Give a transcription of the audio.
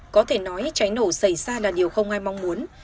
có thể nói cháy nổ xảy ra là điều không ai mong muốn